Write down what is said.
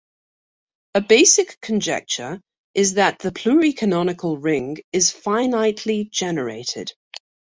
A basic conjecture is that the pluricanonical ring is finitely generated.